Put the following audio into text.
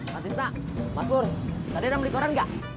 matisna mas nur tadi ada yang beli koran gak